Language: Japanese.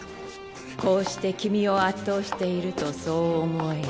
こうして君を圧倒しているとそう思える。